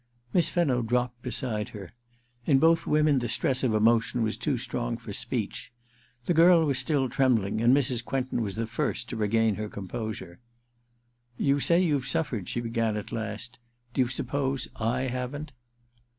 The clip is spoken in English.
Miss Fenno dropped beside her. In both women the stress of emotion was too strong for speech. The girl was still trembling, and Mrs. Quentin was the first to regain her composure. * You say you've suffered,' she began at last. * Do you suppose / haven't